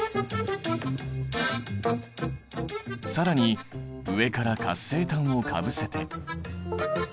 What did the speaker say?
更に上から活性炭をかぶせて。